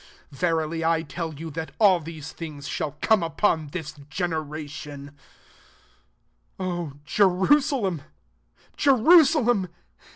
36 Verily I tell you, that all these things shall come upon this generation. 37 "O Jerusalem! Jerusa lem